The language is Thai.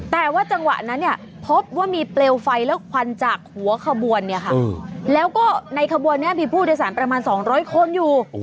แต่ว่าจังหวะนั้นเนี่ยพบว่ามีเปลวไฟและควันจากหัวขบวนเนี่ยค่ะแล้วก็ในขบวนนี้มีผู้โดยสารประมาณ๒๐๐คนอยู่